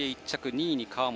２位、川本。